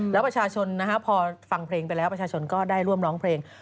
แล้วประชาชนพอฟังเพลงไปแล้วประชาชนก็ได้ร่วมร้องเพลง